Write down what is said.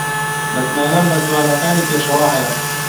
متمانەم بە تواناکانی پێشەوا هەیە.